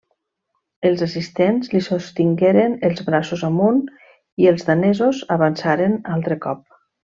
Els assistents li sostingueren els braços amunt i els danesos avançaren altre cop.